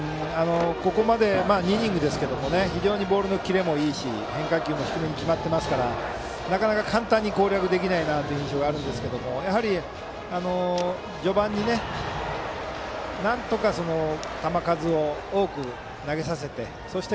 ここまで２イニングですが非常にボールのキレもいいし変化球も低めに決まっていますからなかなか簡単に攻略できない印象がありますがやはり序盤になんとか球数を多く投げさせてそして